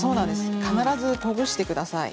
必ずほぐしてください。